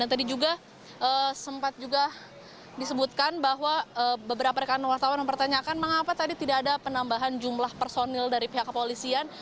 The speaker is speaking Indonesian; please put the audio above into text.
dan tadi juga sempat juga disebutkan bahwa beberapa rekan wartawan mempertanyakan mengapa tadi tidak ada penambahan jumlah personil dari pihak kepolisian